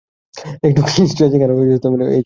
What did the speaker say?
একটুখানি স্ট্রেচিং আর এই চললাম।